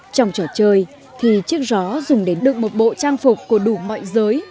trong trò chơi thì chiếc rõ dùng để đựng một bộ trang phục của đủ mọi giới